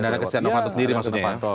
aliran dana kesia novanto sendiri maksudnya ya